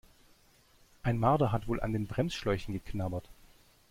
Ein Marder hat wohl an den Bremsschläuchen geknabbert.